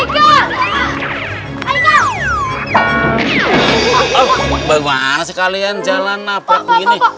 gimana sih kalian jalan nafas begini